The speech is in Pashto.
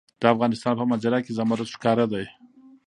د افغانستان په منظره کې زمرد ښکاره ده.